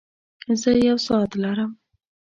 زۀ يو ساعت لرم.